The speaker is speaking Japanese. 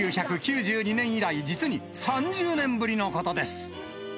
１９９２年以来、実に３０年ぶりのことです。